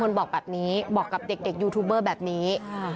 บอกแบบนี้บอกกับเด็กยูทูบเบอร์แบบนี้